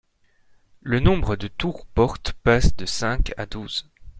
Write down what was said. Le nombre de tours-portes passe de cinq à douze.